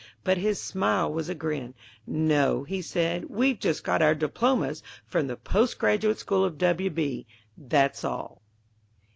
But his smile was a grin. "No," said he; "we've just got our diplomas from the Post Graduate School of W. B. that's all."